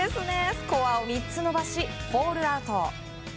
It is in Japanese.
スコアを３つ伸ばしホールアウト。